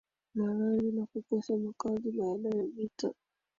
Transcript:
maradhi na kukosa makazi baada ya vita